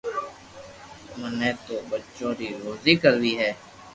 مني تو ٻچو ري روزي ڪروي ھي